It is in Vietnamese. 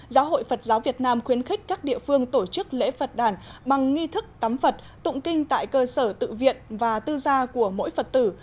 giáo hội phật giáo việt nam khuyến khích các địa phương tổ chức lễ phật đàn bằng nghi thức tắm phật tụng kinh tại cơ sở tự viện và tư gia của mỗi phật tử